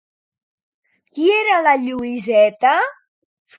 Qui era la Lluïseta?